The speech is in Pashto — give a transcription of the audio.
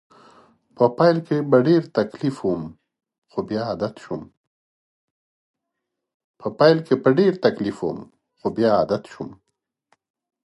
په پیل کې په ډېر تکلیف وم خو بیا عادت شوم